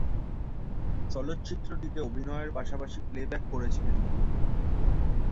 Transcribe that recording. চলচ্চিত্রটিতে অভিনয়ের পাশাপাশি প্লেব্যাক করেছিলেন তিনি।